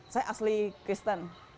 saya asli kristen